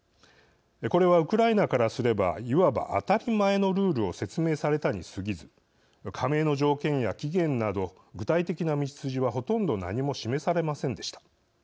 これは、ウクライナからすればいわば、当たり前のルールを説明されたに過ぎず加盟の条件や期限など具体的な道筋はほとんど何も示されませんでした。